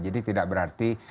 jadi tidak berarti